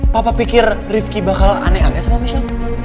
papa pikir rifki bakal aneh aneh sama misha